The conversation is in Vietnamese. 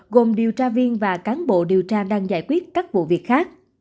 gồm điều tra viên và cán bộ điều tra đang giải quyết các vụ việc khác